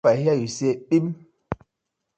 If I hear yu say pipp.